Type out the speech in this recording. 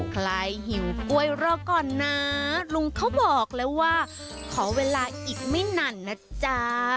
หิวกล้วยรอก่อนนะลุงเขาบอกแล้วว่าขอเวลาอีกไม่นานนะจ๊ะ